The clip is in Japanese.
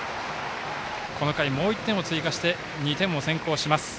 この回、もう１点を追加して２点を先行します。